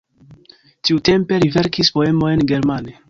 Tiutempe li verkis poemojn germane.